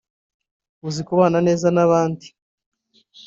uzi kubana neza n’abandi